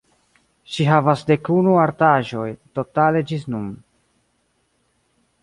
Ŝi havas dekunu artaĵoj totale ĝis nun.